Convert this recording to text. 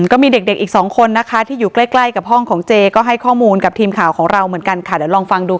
ก็มีเด็กอีกสองคนนะคะที่อยู่ใกล้ใกล้กับห้องของเจก็ให้ข้อมูลกับทีมข่าวของเราเหมือนกันค่ะเดี๋ยวลองฟังดู